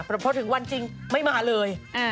เพราะถึงวันจริงไม่มาเลย